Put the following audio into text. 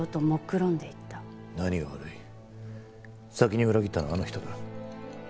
先に裏切ったのはあの人だ。